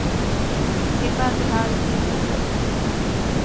ތިބާގެ ޙާލު ކިހިނެއްތަ؟